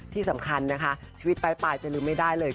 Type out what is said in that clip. ที่สำคัญนะคะชีวิตปลายจะลืมไม่ได้เลย